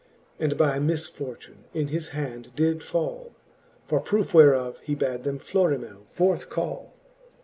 That by misfortune in his hand did fall. For proofe whereof, he bad them Florimell forth call.